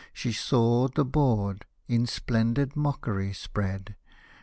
She saw the board, in splendid mockery spread.